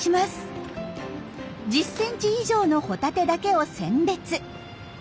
１０ｃｍ以上のホタテだけを選別。